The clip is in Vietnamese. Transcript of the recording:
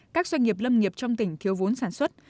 các doanh nghiệp lâm nghiệp trong tỉnh thiếu vốn sản xuất